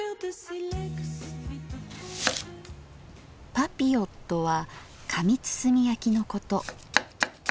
パピヨットは紙包み焼きのこと。